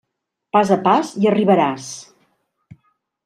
Pas a pas, ja arribaràs.